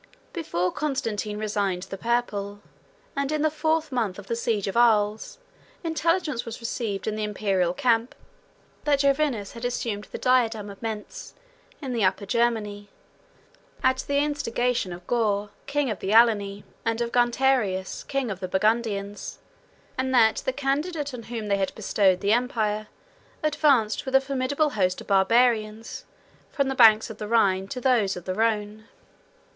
Before Constantine resigned the purple, and in the fourth month of the siege of Arles, intelligence was received in the Imperial camp, that Jovinus has assumed the diadem at Mentz, in the Upper Germany, at the instigation of Goar, king of the Alani, and of Guntiarius, king of the Burgundians; and that the candidate, on whom they had bestowed the empire, advanced with a formidable host of Barbarians, from the banks of the Rhine to those of the Rhone.